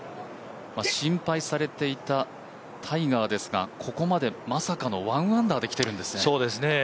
心配されていたタイガーですがここまでまさかの１アンダーできてるんですね。